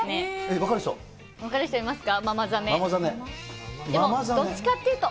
分かる人いますか？